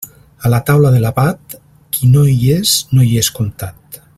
A la taula de l'abat, qui no hi és no hi és comptat.